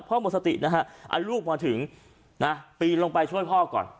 หมดสตินะฮะเอาลูกมาถึงนะปีนลงไปช่วยพ่อก่อน